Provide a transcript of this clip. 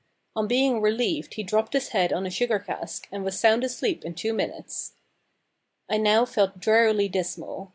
On being relieved he dropped his head on a sugar cask, and was sound asleep in two minutes! I now felt drearily dismal.